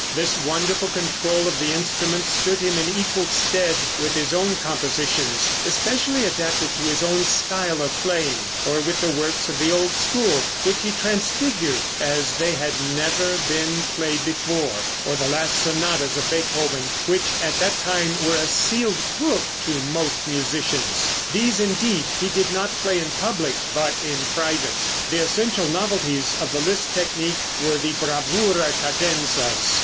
This wonderful control of the instrument stood him in equal stead with his own compositions, especially adapted to his own style of playing; or with the works of the old school, which he transfigured as they had never been played before; or the last sonatas of Beethoven, which at that time were a sealed book to most musicians. These, indeed, he did not play in public, but in private. The essential novelties of the Liszt technique were the bravura cadenzas.